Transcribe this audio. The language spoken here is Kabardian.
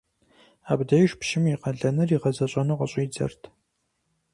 Абдеж пщым и къалэныр игъэзэщӀэну къыщӀидзэрт.